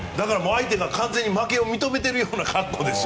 相手が完全に負けを認めているような格好です。